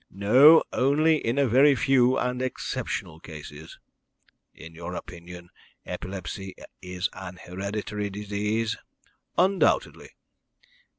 "No, only in a very few and exceptional cases." "In your opinion epilepsy is an hereditary disease?" "Undoubtedly."